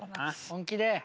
本気で。